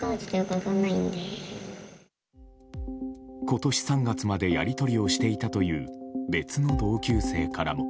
今年３月までやり取りをしていたという別の同級生からも。